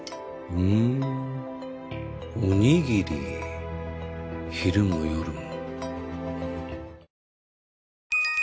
ふんおにぎり昼も夜も。